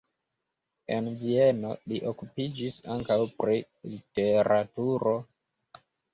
En Vieno li okupiĝis ankaŭ pri literaturo.